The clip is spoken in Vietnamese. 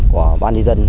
của ban nhân dân